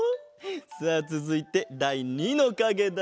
さあつづいてだい２のかげだ。